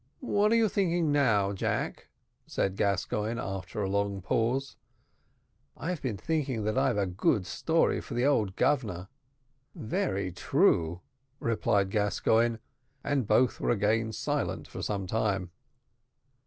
"What are you thinking of now, Jack?" said Gascoigne after a long pause. "I've been thinking that I've a good story for the old Governor." "Very true," replied Gascoigne; and both were again silent for some time.